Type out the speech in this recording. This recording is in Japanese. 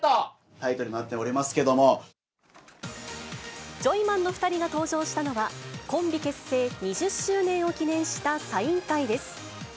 タイトルになっておりますけジョイマンの２人が登場したのは、コンビ結成２０周年を記念したサイン会です。